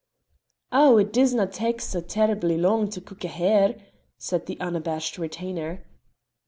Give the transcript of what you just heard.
"Oh, it disna tak' sae terrible lang to cook a hare," said the unabashed retainer.